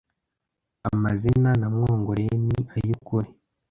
amazina namwongoreye ni ay ukuri